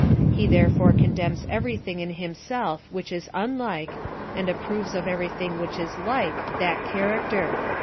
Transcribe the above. He therefore condemns every thing in himself which is unlike, and approves of every thing which is like that character.